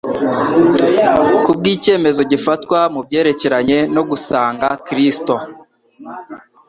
Kubw'icyemezo gifatwa mu byerekeranye no gusanga Kristo,